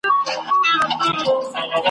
او پخپله نا آشنا ده له نڅا او له مستیو ..